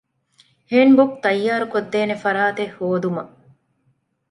ހޭންޑްބުކް ތައްޔާރުކޮށްދޭނެ ފަރާތެއް ހޯދުމަށް